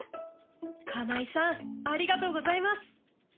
金井さんありがとうございます！